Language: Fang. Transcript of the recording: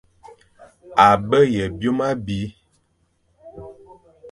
A be ye byôm abî,